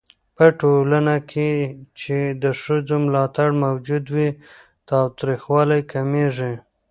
په ټولنه کې چې د ښځو ملاتړ موجود وي، تاوتريخوالی کمېږي.